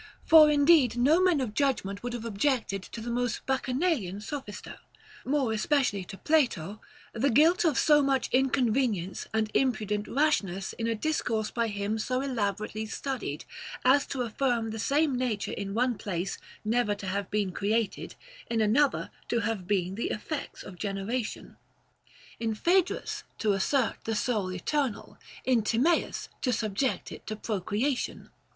For indeed no men of judgment would have objected to the most Bacchanalian sophister, more especially to Plato, the guilt of so much inconvenience and impudent rashness in a discourse by him so elaborately studied, as to affirm the same nature in one place never to have been created, in another to have been the effects of generation ;— in Phaedrus to assert the soul eternal, in Timaeus to subject it to procreation.